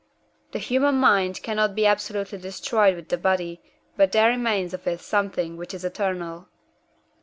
The human mind cannot be absolutely destroyed with the body, but there remains of it something which is eternal.